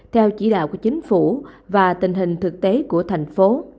theo chỉ đạo của chính phủ và tình hình thực tế của thành phố